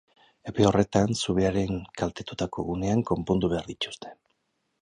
Epe horretan, zubiaren kaltetutako gunean konpondu behar dituzte.